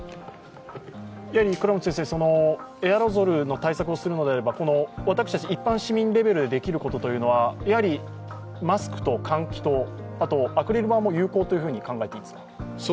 エアロゾルの対策をするのであれば、私たち一般市民レベルでできることというのはマスクと換気と、あとアクリル板も有効と考えていいんですか。